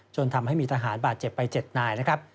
จนทำให้มีทหารบาดเจ็บไป๗นายนะครับ